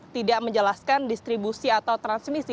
tidak menjelaskan distribusi atau transmisi